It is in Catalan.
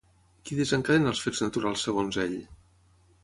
Qui desencadena els fets naturals segons ell?